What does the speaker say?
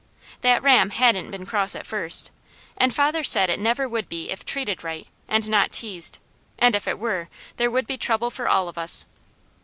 That ram hadn't been cross at first, and father said it never would be if treated right, and not teased, and if it were, there would be trouble for all of us.